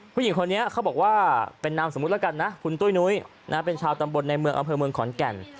ผู้หญิงคนนี้เขาบอกว่าเป็นนามสมมุติแล้วกันนะคุณตุ้ยนุ้ยเป็นชาวตำบลในเมืองอำเภอเมืองขอนแก่น